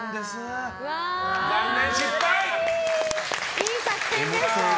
いい作戦でした！